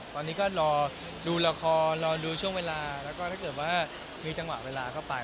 ตอนนี้ก็รอดูละครรอดูช่วงเวลาแล้วก็ถ้าเกิดว่ามีจังหวะเวลาเข้าไป